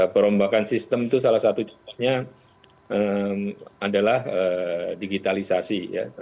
perombakan sistem itu salah satu contohnya adalah digitalisasi ya